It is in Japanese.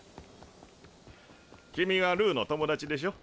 君はルーの友達でしょ？